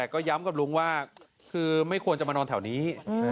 ก็ย้ำกับลุงว่าคือไม่ควรจะมานอนแถวนี้